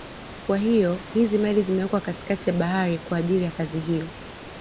Kwa hiyo hizi meli zimewekwa katikati ya Bahari kwa ajili ya kazi hiyo